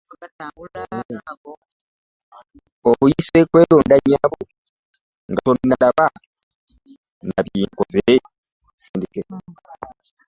Okuyise kweronda nnyabo nga tonnalaba na bye nkoze!